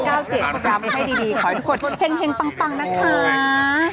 จำให้ดีขอให้ทุกคนเห็งปังนะคะ